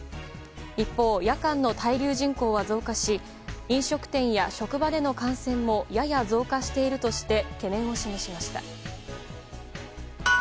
一方、夜間の滞留人口は増加し飲食店や職場での感染もやや増加しているとして懸念を示しました。